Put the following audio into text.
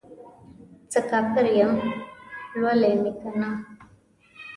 څه کافر یمه ، لولی مې کنه